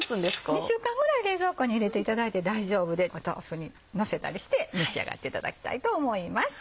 ２週間ぐらい冷蔵庫に入れていただいて大丈夫で豆腐にのせたりして召し上がっていただきたいと思います。